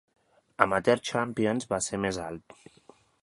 Amateur Champions va ser més alt.